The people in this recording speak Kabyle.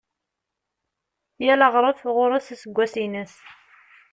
Yal aɣref ɣur-s aseggas-ines.